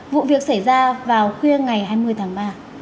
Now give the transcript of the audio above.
vụ việc xảy ra vào khuya ngày hai mươi tháng ba